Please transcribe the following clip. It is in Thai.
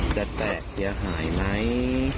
จะแตกเดี๋ยวหายไหม